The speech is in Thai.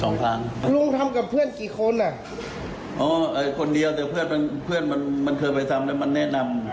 ลุงทำกับเพื่อนกี่คนอ่ะอ๋อไอ้คนเดียวแต่เพื่อนมันเพื่อนมันมันเคยไปทำแล้วมันแนะนำ